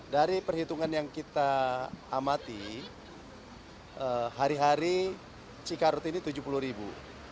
dari perhitungan yang kita amati hari hari cikarut ini tujuh puluh ribu